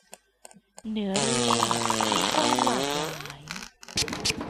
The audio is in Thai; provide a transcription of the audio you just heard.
เนื้อเรื่องมีความหลากหลาย